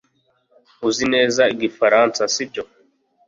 Uzi neza Igifaransa sibyo